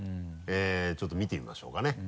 ちょっと見てみましょうかね。